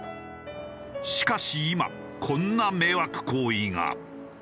しかし今こんな迷惑行為が。